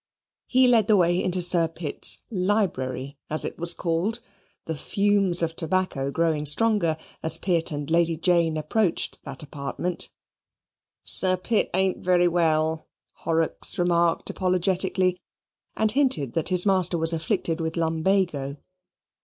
He led the way into Sir Pitt's "Library," as it was called, the fumes of tobacco growing stronger as Pitt and Lady Jane approached that apartment, "Sir Pitt ain't very well," Horrocks remarked apologetically and hinted that his master was afflicted with lumbago.